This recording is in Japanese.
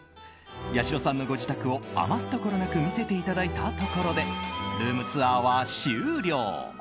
やしろさんのご自宅を余すところなく見せていただいたところでルームツアーは終了。